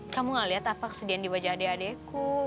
kamu gak liat apa kesedihan di wajah adek adeku